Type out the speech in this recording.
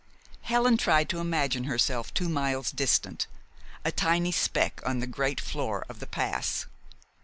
Helen tried to imagine herself two miles distant, a tiny speck on the great floor of the pass.